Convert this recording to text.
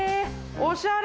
おしゃれ！